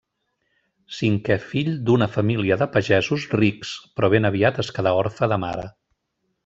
Cinquè fill d'una família de pagesos rics, però ben aviat es quedà orfe de mare.